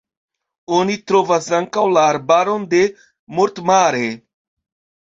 Oni trovas ankaŭ la arbaron de Mort-Mare.